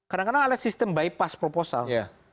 kadang kadang ada sistem bypass proposal